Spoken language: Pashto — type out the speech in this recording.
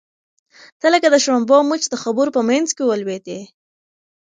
ته لکه د شړومبو مچ د خبرو په منځ کې ولوېدې.